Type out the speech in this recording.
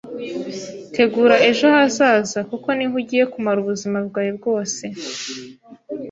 Tegura ejo hazaza kuko niho ugiye kumara ubuzima bwawe bwose